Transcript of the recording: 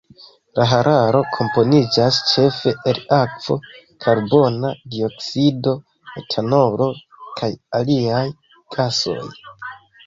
La hararo komponiĝas ĉefe el akvo, karbona dioksido metanolo kaj aliaj gasoj.